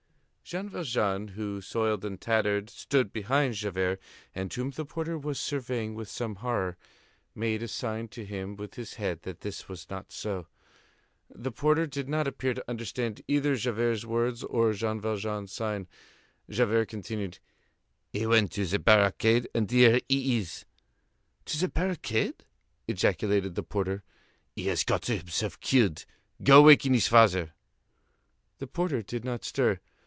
Jean Valjean, who, soiled and tattered, stood behind Javert, and whom the porter was surveying with some horror, made a sign to him with his head that this was not so. The porter did not appear to understand either Javert's words or Jean Valjean's sign. Javert continued: "He went to the barricade, and here he is." "To the barricade?" ejaculated the porter. "He has got himself killed. Go waken his father." The porter did not stir.